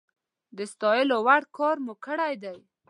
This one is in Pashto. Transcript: د ستايلو وړ کار مو کړی دی